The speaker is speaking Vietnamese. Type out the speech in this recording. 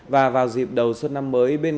và vào dịp đầu xuân năm mới